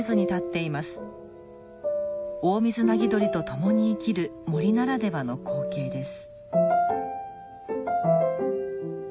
オオミズナギドリと共に生きる森ならではの光景です。